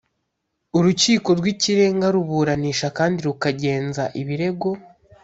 urukiko rw ikirenga ruburanisha kandi rukagenza ibirego